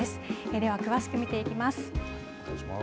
では詳しく見ていきます。